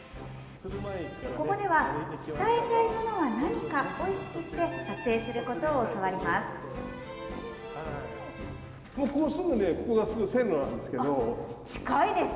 ここでは伝えたいものは何かを意識して撮影することを教わります。